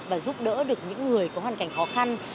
và giúp đỡ được những người có hoàn cảnh khó khăn